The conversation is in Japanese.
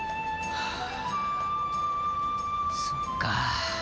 そっか。